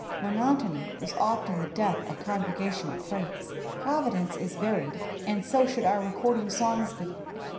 Monotony is often the death of congregaiional praise. Providence is xxiried, and so should our recording songs be.